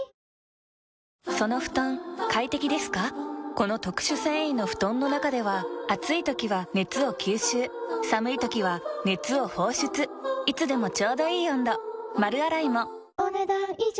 この特殊繊維の布団の中では暑い時は熱を吸収寒い時は熱を放出いつでもちょうどいい温度丸洗いもお、ねだん以上。